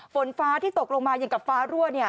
ฝนฟ้าที่ตกลงมาอย่างกับฟ้ารั่ว